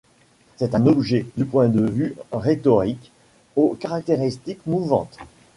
C’est un objet, du point de vue rhétorique, aux caractéristiques mouvantes.